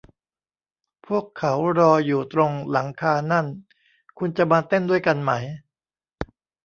พวกเขารออยู่ตรงหลังคานั่น คุณจะมาเต้นด้วยกันไหม